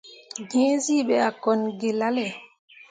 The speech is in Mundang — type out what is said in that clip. Gǝǝzyii ɓe a kone ki lalle.